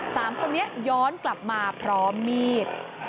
สามคนนี้ย้อนกลับมาพร้อมมีด